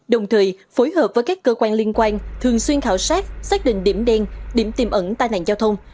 đồng thời phối hợp với các cơ quan liên quan thường xuyên khảo sát xác định điểm đen điểm tiềm ẩn tai nạn giao thông